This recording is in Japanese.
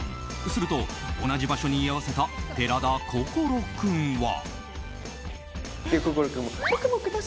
すると、同じ場所に居合わせた寺田心君は。